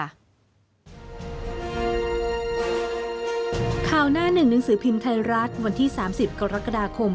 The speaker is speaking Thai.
นิยมมีประเสริฐอดีตผู้ศึกข่าวไทยรัฐประจำจังหวัดสิงห์บุรีและช่างภาพไทยรัฐส่วนกลาง